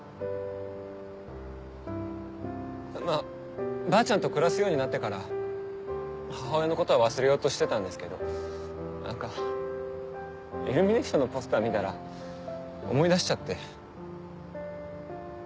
まぁばあちゃんと暮らすようになってから母親のことは忘れようとしてたんですけど何かイルミネーションのポスター見たら思い出しちゃって。